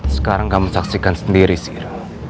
sekarang kamu saksikan sendiri sira